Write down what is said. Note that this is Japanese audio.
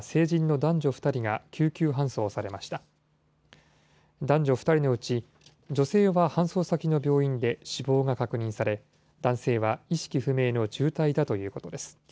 男女２人のうち、女性は搬送先の病院で死亡が確認され、男性は意識不明の重体だということです。